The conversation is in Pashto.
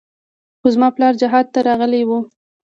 خو زما پلار جهاد ته راغلى و.